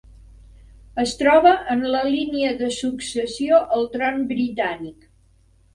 Es troba en la línia de successió al tron britànic.